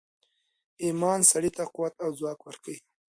ایمان سړي ته قوت او ځواک ورکوي